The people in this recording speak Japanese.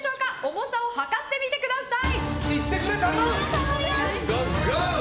重さを量ってみてください。